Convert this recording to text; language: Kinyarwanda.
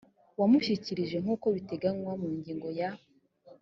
wamushyikirije nk uko biteganywa mu ngingo ya